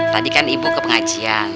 tadi kan ibu ke pengajian